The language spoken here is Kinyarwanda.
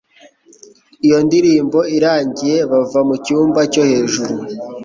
Iyo ndirimbo irangiye bava mu cyumba cyo hejuru,